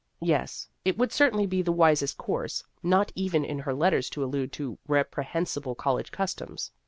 Yes, it would certainly be the wisest course not even in her letters to allude to reprehen sible college customs.